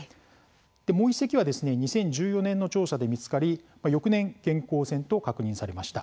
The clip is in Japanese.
もう一隻は２０１４年の調査で見つかり翌年元寇船と確認されました。